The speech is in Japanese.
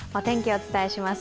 お伝えします。